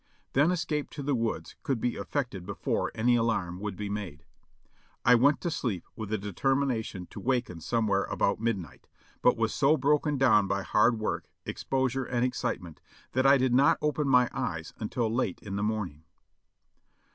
Then escape to the woods could be effected before any alarm would be made. I went to sleep with the determina tion to waken somewhere about midnight, but was so broken down by hard work, exposure and excitement, that I did not open my eyes until late in the morning.